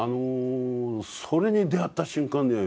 それに出会った瞬間ね